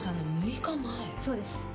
そうです。